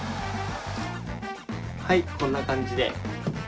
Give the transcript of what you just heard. はいこんな感じで。